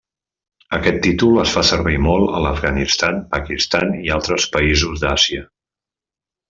Aquest títol es fa servir molt a l'Afganistan, Pakistan, i altres països d'Àsia.